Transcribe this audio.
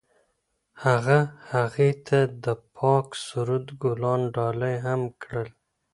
هغه هغې ته د پاک سرود ګلان ډالۍ هم کړل.